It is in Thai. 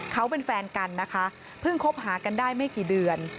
เขาเป็นแฟนกันนะคะเพิ่งคบหากันได้ไม่กี่เดือน